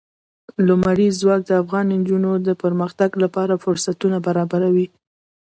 لمریز ځواک د افغان نجونو د پرمختګ لپاره فرصتونه برابروي.